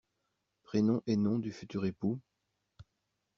Prénoms et nom du futur époux.